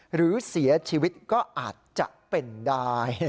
หรือเสียชีวิตก็อาจจะเป็นได้